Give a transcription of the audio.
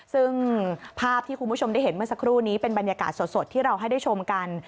ซึ่งภาพที่คุณผู้ชมได้เห็นเมื่อสักครู่นี้เป็นบรรยากาศสดที่เราให้ได้ชมกัน